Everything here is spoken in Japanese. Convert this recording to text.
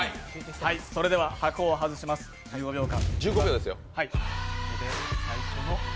それでは箱を外します、１５秒間。